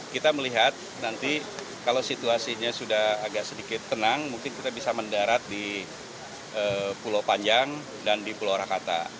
kita melihat nanti kalau situasinya sudah agak sedikit tenang mungkin kita bisa mendarat di pulau panjang dan di pulau rakata